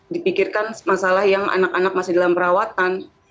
dipikirkan masalah yang anak anak masih dalam perawatan